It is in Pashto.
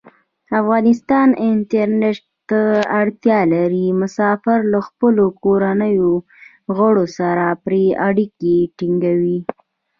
افغانستان انټرنیټ ته اړتیا لري. مسافر له خپلو کورنیو غړو سره پری اړیکې ټینګوی.